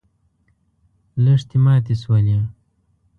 لښتې ماتې شولې.